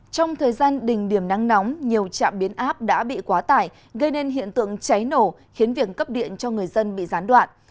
trong thời gian đỉnh điểm nắng nóng nhiều trạm biến áp đã bị quá tải gây nên hiện tượng cháy nổ khiến việc cấp điện cho người dân bị gián đoạn